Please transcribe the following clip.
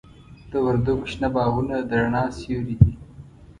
د وردګو شنه باغونه د رڼا سیوري دي.